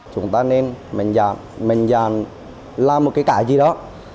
chúng ta nên mạnh dạn làm một cái cả gì đó